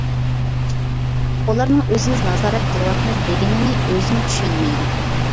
ئۇلارنىڭ ئۆزىمىز نازارەت قىلىۋاتىمىز دېگىنىنى ئۆزىمۇ چۈشەنمەيدۇ.